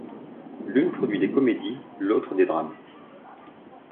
L'une produit des comédies, l'autre des drames.